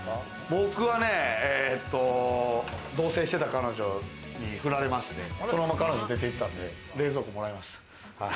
僕は同棲していた彼女にフラれまして、そのまま彼女が出て行ったんで、冷蔵庫もらいました。